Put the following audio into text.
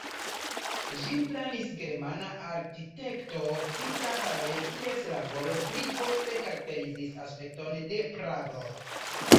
Ĝin planis germana arkitekto Peter Parler, kies laboro pli poste karakterizis aspekton de Prago.